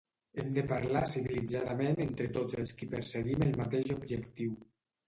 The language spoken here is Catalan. Hem de parlar civilitzadament entre tots els qui perseguim el mateix objectiu.